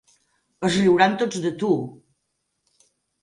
Es riuran tots de tu!